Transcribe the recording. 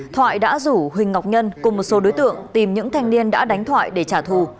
thoại đã rủ huỳnh ngọc nhân cùng một số đối tượng tìm những thanh niên đã đánh thoại để trả thù